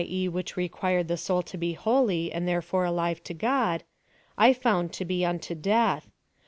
e. which required the soul to be holy and there fore alive to God) I found to be unto death.